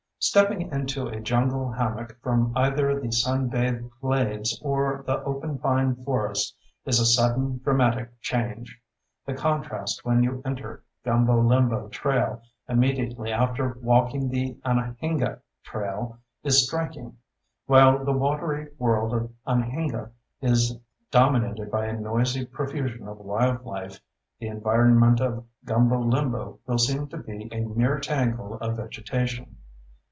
Stepping into a jungle hammock from either the sunbathed glades or the open pine forest is a sudden, dramatic change. The contrast when you enter Gumbo Limbo Trail immediately after walking the Anhinga Trail is striking. While the watery world of Anhinga is dominated by a noisy profusion of wildlife, the environment of Gumbo Limbo will seem to be a mere tangle of vegetation.